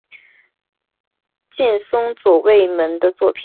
近松门左卫门的作品。